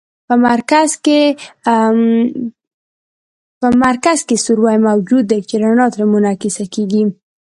په مرکز کې سوری موجود دی چې رڼا ترې منعکسه کیږي.